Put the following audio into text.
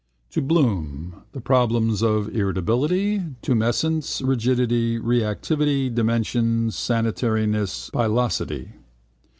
To Bloom: the problems of irritability, tumescence, rigidity, reactivity, dimension, sanitariness, pilosity.